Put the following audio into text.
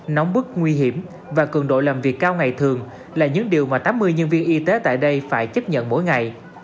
nóng bức nguy hiểm và cường độ làm việc cao ngày thường là những điều mà tám mươi nhân viên y tế tại đây phải chấp nhận mỗi ngày